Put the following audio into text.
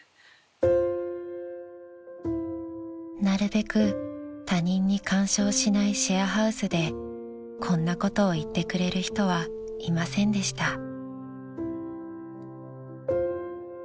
［なるべく他人に干渉しないシェアハウスでこんなことを言ってくれる人はいませんでした］